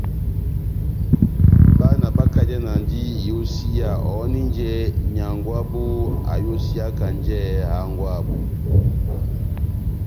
Bána bakajanandi iyosiya ohòninjɛ nyángwɛ wabu ayosiyakanjɛ hángwɛ wabu.